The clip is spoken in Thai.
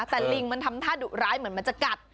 แต่ลิงมันทำท่าดุร้ายเหมือนมันจะกัด